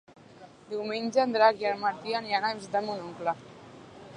Diumenge en Drac i en Martí aniran a visitar mon oncle.